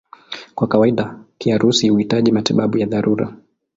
Kwa kawaida kiharusi huhitaji matibabu ya dharura.